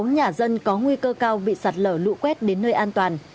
bốn mươi sáu nhà dân có nguy cơ cao bị sạt lở lũ quét đến nơi an toàn